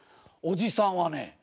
おじさんはね